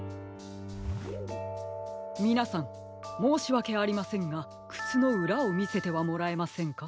みなさんもうしわけありませんがくつのうらをみせてはもらえませんか？